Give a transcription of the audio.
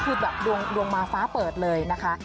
คือแบบดวงมาฟ้าเปิดเลยนะคะ